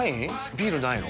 ビールないの？